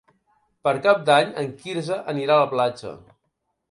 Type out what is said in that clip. Per Cap d'Any en Quirze anirà a la platja.